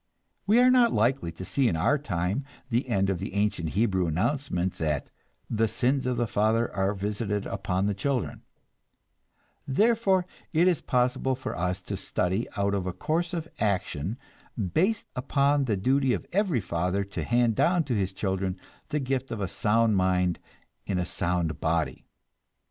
We are not likely to see in our time the end of the ancient Hebrew announcement that "the sins of the father are visited upon the children"; therefore it is possible for us to study out a course of action based upon the duty of every father to hand down to his children the gift of a sound mind in a sound body.